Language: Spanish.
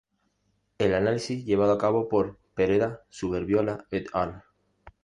El análisis llevado a cabo por Pereda-Suberbiola "et al.